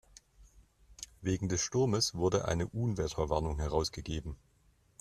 Wegen des Sturmes wurde eine Unwetterwarnung herausgegeben.